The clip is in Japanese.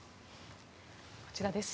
こちらです。